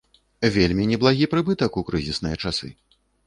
Вельмі неблагі прыбытак у крызісныя часы.